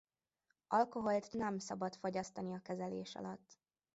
Alkoholt nem szabad fogyasztani a kezelés alatt.